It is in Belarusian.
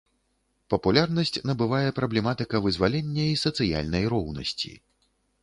Папулярнасць набывае праблематыка вызвалення і сацыяльнай роўнасці.